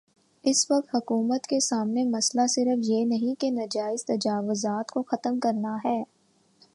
اس وقت حکومت کے سامنے مسئلہ صرف یہ نہیں ہے کہ ناجائز تجاوزات کو ختم کرنا ہے۔